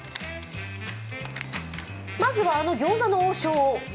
まずは、あの餃子の王将。